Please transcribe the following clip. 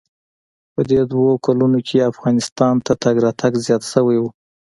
په دې دوو کلونو کښې افغانستان ته تگ راتگ زيات سوى و.